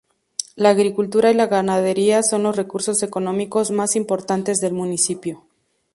La agricultura y la ganadería son los recursos económicos más importantes del municipio.